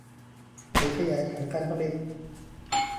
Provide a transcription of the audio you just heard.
หรือขยายฐานการผลิต